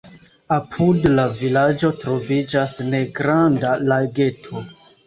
Apud la vilaĝo troviĝas negranda lageto.